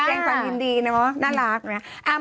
แสดงความยินดีเนาะน่ารักนะ